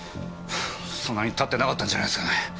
そんなに経ってなかったんじゃないですかね。